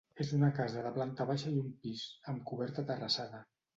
És una casa de planta baixa i un pis, amb coberta terrassada.